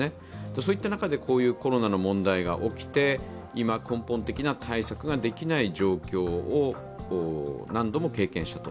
そういった中でこういうコロナの問題が起きて今、根本的な対策ができない状況を何度も経験したと。